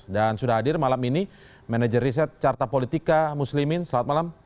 dan sudah hadir malam ini manager riset carta politika mas muslimin selamat malam